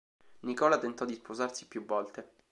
Nicola tentò di sposarsi più volte.